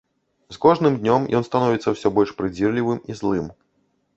З кожным днём ён становіцца ўсё больш прыдзірлівым і злым.